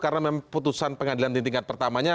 karena memang putusan pengadilan di tingkat pertamanya